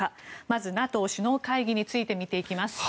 まず、ＮＡＴＯ首脳会議について見ていきます。